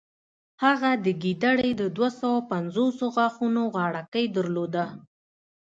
هغه د ګیدړې د دوهسوو پنځوسو غاښونو غاړکۍ درلوده.